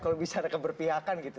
kalau misalnya keberpihakan gitu